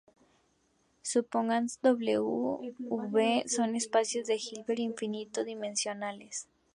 Supóngase "V", "W" son espacios de Hilbert finito dimensionales.